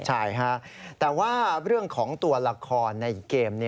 ใช่ฮะแต่ว่าเรื่องของตัวละครในเกม